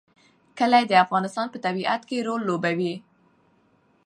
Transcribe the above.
کلي د افغانستان په طبیعت کې رول لوبوي.